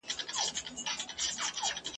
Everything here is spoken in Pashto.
په درنه سترګه کتل کېدل